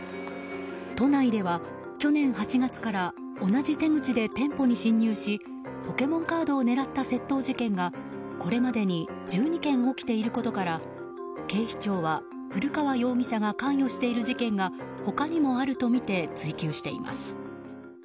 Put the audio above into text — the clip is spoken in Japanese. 都内では、去年８月から同じ手口で店舗に侵入しポケモンカードを狙った窃盗事件がこれまでに１２件起きていることから警視庁は古川容疑者が関与している事件が他にもあるとみて追及しています。